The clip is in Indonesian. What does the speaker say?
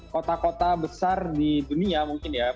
kota kota besar di dunia mungkin ya